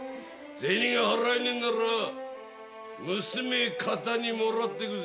銭が払えねえなら娘かたにもらってくぜ。